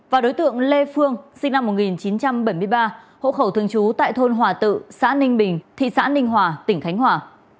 và đối tượng lê phương sinh năm một nghìn chín trăm bảy mươi ba hộ khẩu thường trú tại thôn hòa tự xã ninh bình thị xã ninh hòa tỉnh khánh hòa